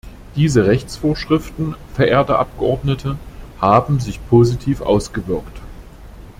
Diese Rechtsvorschriften, verehrte Abgeordnete, haben sich positiv ausgewirkt.